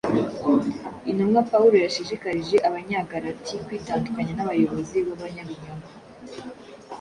Intumwa Pawulo yashishikarije Abanyagalati kwitandukanya n’abayobozi b’abanyabinyoma